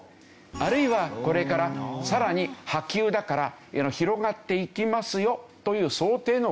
あるいはこれからさらに波及だから広がっていきますよという想定のお金という事です。